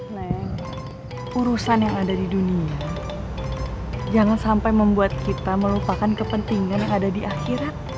nah urusan yang ada di dunia jangan sampai membuat kita melupakan kepentingan yang ada di akhirat